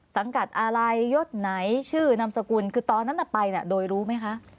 สังกัดอะไรยศไหนชื่อนามสกุลคือตอนนั้นไปเนี่ยโดยรู้ไหมคะ